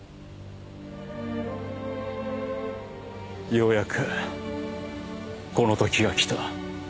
ようやくこの時が来た。